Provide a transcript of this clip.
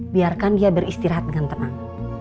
biarkan dia beristirahat dengan tenang